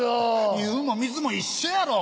湯も水も一緒やろう。